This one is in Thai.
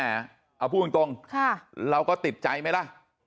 เอาพูดตรงเราก็ติดใจไหมล่ะ